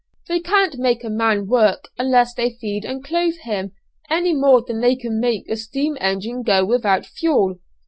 They can't make a man work unless they feed and clothe him, any more than they can make a steam engine go without fuel.